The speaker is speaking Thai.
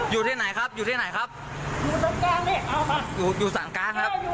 อยู่ที่ไหนครับอยู่ที่ไหนครับอยู่สั่งกลางครับ